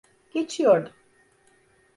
Geçiyordum.